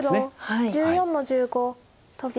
黒１４の十五トビ。